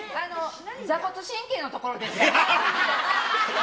坐骨神経のとこですか？